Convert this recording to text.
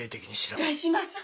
お願いします！